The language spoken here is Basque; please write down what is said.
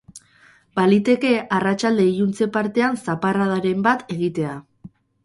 Baliteke arratsalde-iluntze partean zaparradaren bat egitea.